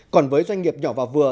còn với doanh nghiệp nhỏ và vừa